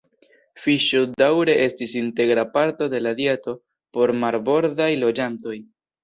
Fiŝoj daŭre estis integra parto de la dieto por marbordaj loĝantoj.